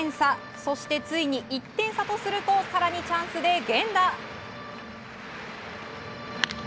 そして、ついに１点差とすると更にチャンスで源田。